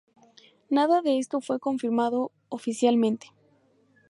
Nada de esto fue confirmado oficialmente.